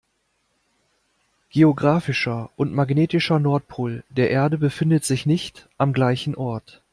Geographischer und magnetischer Nordpol der Erde befinden sich nicht am gleichen Ort.